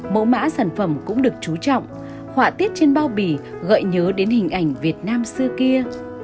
mẫu mã sản phẩm cũng được trú trọng họa tiết trên bao bì gợi nhớ đến hình ảnh việt nam xưa kia